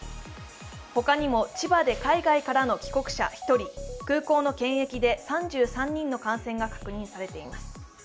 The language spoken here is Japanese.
他にも千葉で海外からの帰国者１人空港の検疫で３３人の感染が確認されています。